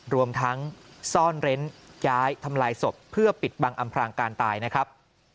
รวมทั้งซ่อนเร้นย้ายทำลายศพเพื่อปิดบังอำพรางการตายนะครับ